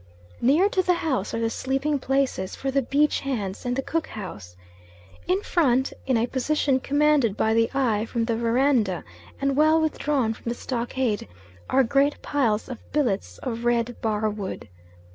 Near to the house are the sleeping places for the beach hands, and the cook house. In front, in a position commanded by the eye from the verandah, and well withdrawn from the stockade, are great piles of billets of red bar wood.